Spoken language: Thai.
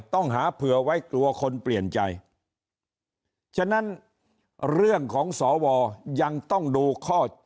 ต้องหาเผื่อไว้กลัวคนเปลี่ยนใจฉะนั้นเรื่องของสวยังต้องดูข้อ